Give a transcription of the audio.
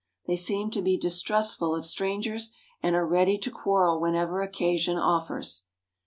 They seem to be distrustful of strangers and are ready to quarrel whenever occasion offers.